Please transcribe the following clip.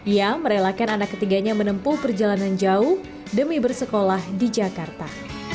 ia merelakan anak ketiganya menempuh perjalanan jauh demi bersekolah di jakarta